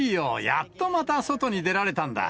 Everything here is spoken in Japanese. やっとまた外に出られたんだ。